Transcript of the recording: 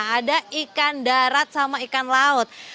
ada ikan darat sama ikan laut